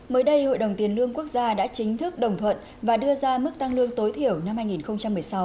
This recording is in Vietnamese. mới đây hội đồng tiền lương quốc gia đã chính thức đồng thuận và đưa ra mức tăng lương tối thiểu năm hai nghìn một mươi sáu